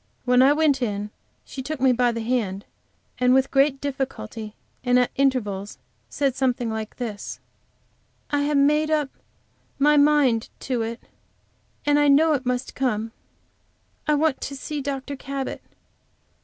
When I went in she took me by the hand, and with great difficulty, and at intervals said something like this: "I have made up my mind to it, and I know it must come. I want to see Dr. Cabot.